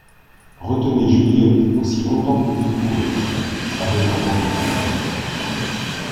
Retenez Juliette aussi longtemps que vous le pourrez. » À bon entendeur…